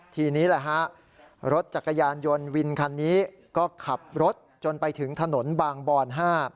ทีนี้แหละฮะรถจักรยานยนต์วินคันนี้ก็ขับรถจนไปถึงถนนบางบอน๕